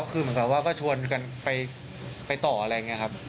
คือเหมือนกับว่าก็ชวนกันไปต่ออะไรอย่างนี้ครับ